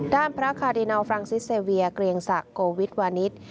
ด้านพระคารินัลฟรังซิสเซเวียเกรียงศักดิ์โกวิทวานิส